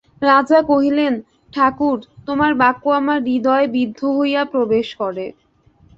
রাজা কহিলেন, ঠাকুর, তোমার বাক্য আমার হৃদয়ে বিদ্ধ হইয়া প্রবেশ করে।